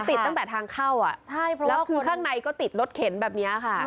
ติดตั้งแต่ทางเข้าแล้วคือข้างในก็ติดรถเข็นแบบนี้ค่ะ